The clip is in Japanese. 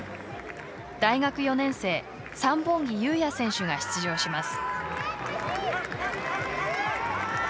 大学４年生三本木優也選手が出場します。